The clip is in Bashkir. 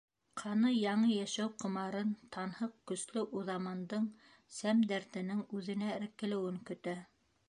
Ҡаны яңы йәшәү ҡомарын, танһыҡ, көслө Уҙамандың сәм-дәртенең үҙенә эркелеүен көтә.